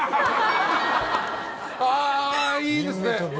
あいいですね。